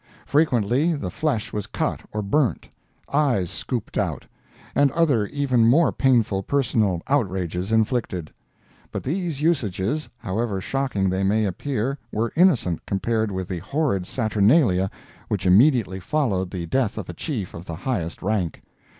Frequently the flesh was cut or burnt, eyes scooped out, and other even more painful personal outrages inflicted. But these usages, however shocking they may appear were innocent compared with the horrid saturnalia which immediately followed the death of a chief of the highest rank.